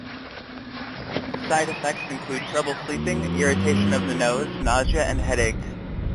Side effects include trouble sleeping, irritation of the nose, nausea, and headache.